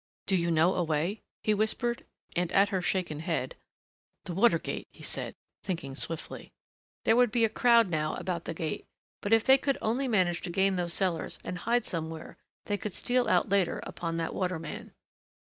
"Do you know a way?" he whispered and at her shaken head, "The water gate," he said, thinking swiftly. There would be a crowd now about the gate, but if they could only manage to gain those cellars and hide somewhere they could steal out later upon that waterman.